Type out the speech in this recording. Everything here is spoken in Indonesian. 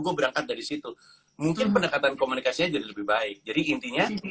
gue berangkat dari situ mungkin pendekatan komunikasinya jadi lebih baik jadi intinya